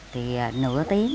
thì nửa tiếng